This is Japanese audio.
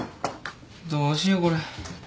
どうしようこれ。